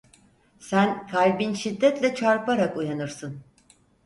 Sen, kalbin şiddetle çarparak uyanırsın.